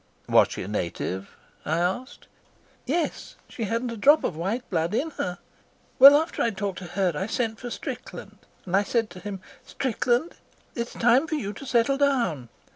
"Was she a native?" I asked. "Yes; she hadn't a drop of white blood in her. Well, after I'd talked to her I sent for Strickland, and I said to him: 'Strickland, it's time for you to settle down.